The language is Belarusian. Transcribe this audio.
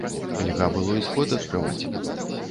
Льга было й сход адкрываць.